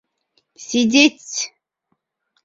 Сидеть!